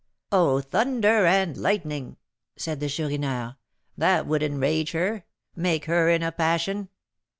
'" "Oh, thunder and lightning!" said the Chourineur; "that would enrage her, make her in a passion!